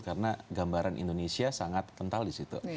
karena gambaran indonesia sangat kental di situ